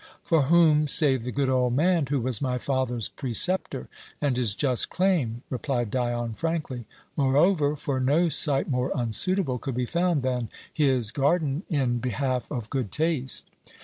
"For whom save the good old man who was my father's preceptor, and his just claim?" replied Dion frankly. "Moreover for no site more unsuitable could be found than his garden in behalf of good taste."